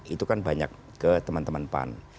itu kan banyak ke teman teman pan